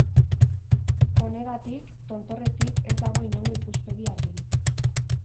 Honegatik, tontorretik ez dago inongo ikuspegi argirik.